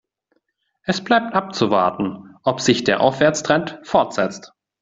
Es bleibt abzuwarten, ob sich der Aufwärtstrend fortsetzt.